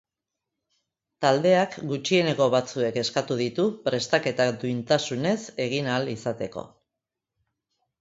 Taldeak, gutxieneko batzuk eskatu ditu prestaketak duintasunez egin ahal izateko.